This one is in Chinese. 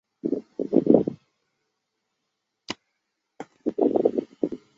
金朝废。